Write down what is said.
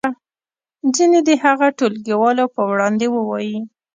ځینې دې هغه ټولګیوالو په وړاندې ووایي.